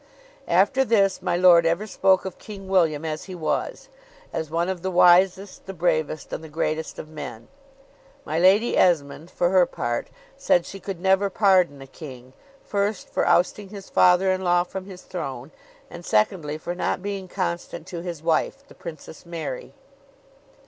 After this my lord ever spoke of King William as he was as one of the wisest, the bravest, and the greatest of men. My Lady Esmond (for her part) said she could never pardon the King, first, for ousting his father in law from his throne, and secondly, for not being constant to his wife, the Princess Mary.